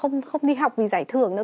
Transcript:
họ không đi học vì giải thưởng đâu